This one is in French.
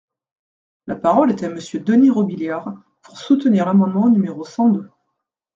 La parole est à Monsieur Denys Robiliard, pour soutenir l’amendement numéro cent deux.